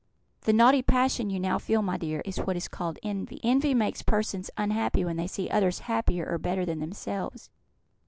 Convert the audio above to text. The naughty passion you now feel, my dear, is what is called Envy. Envy makes persons unhappy when they see others happier or better than themselves.